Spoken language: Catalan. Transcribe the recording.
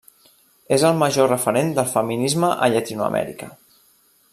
És el major referent del feminisme a Llatinoamèrica.